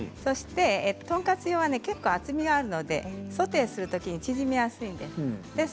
トンカツ用は結構厚みがあるのでソテーするときに縮みやすいんです。